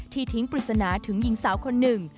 ทิ้งปริศนาถึงหญิงสาวคนหนึ่ง